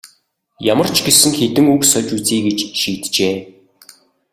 Ямар ч гэсэн хэдэн үг сольж үзье гэж шийджээ.